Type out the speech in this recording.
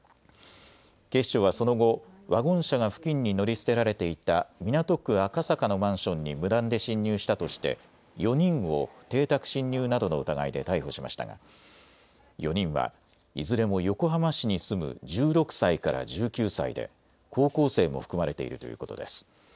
警視庁はその後、ワゴン車が付近に乗り捨てられていた港区赤坂のマンションに無断で侵入したとして４人を邸宅侵入などの疑いで逮捕しましたが４人はいずれも横浜市に住む１６歳から１９歳で高校生も含まれているということです。